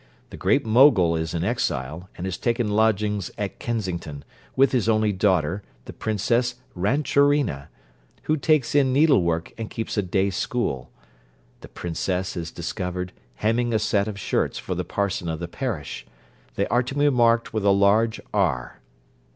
The Great Mogul is in exile, and has taken lodgings at Kensington, with his only daughter, the Princess Rantrorina, who takes in needlework, and keeps a day school. _The princess is discovered hemming a set of shirts for the parson of the parish: they are to be marked with a large R.